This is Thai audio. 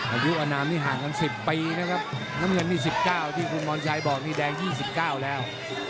อายุอนามนี่ห่างกัน๑๐ปีนะครับน้ำเงินนี่๑๙ที่คุณพรชัยบอกนี่แดง๒๙แล้ว